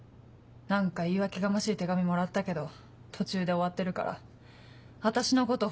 何か言い訳がましい手紙もらったけど途中で終わってるから私のこと